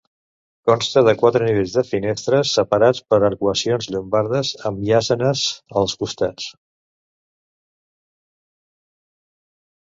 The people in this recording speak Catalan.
Consta de quatre nivells de finestres separats per arcuacions llombardes amb lesenes als costats.